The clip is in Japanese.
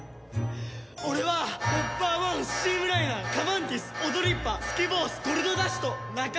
俺はホッパー１スチームライナーカマンティスオドリッパスケボーズゴルドダッシュと仲間になれました！